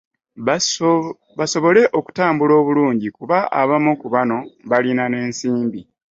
Basobole okutambula obulungi, kuba abamu ku bano balina n'ensimbi.